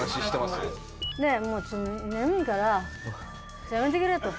でもう眠いからやめてくれと。